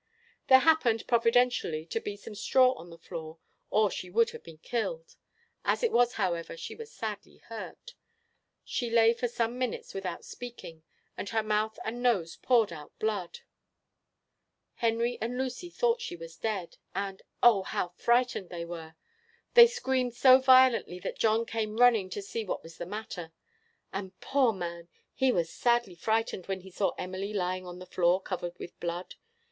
There happened providentially to be some straw on the floor, or she would have been killed. As it was, however, she was sadly hurt; she lay for some minutes without speaking, and her mouth and nose poured out blood. Henry and Lucy thought she was dead; and, oh! how frightened they were! They screamed so violently that John came running to see what was the matter; and, poor man! he was sadly frightened when he saw Emily lying on the floor covered with blood.